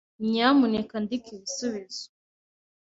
Nyamuneka andika ibisubizo.